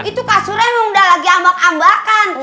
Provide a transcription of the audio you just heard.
itu kasurnya udah lagi ambak ambakan